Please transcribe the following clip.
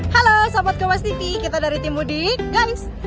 halo selamat ke mas titi kita dari tim mudik guys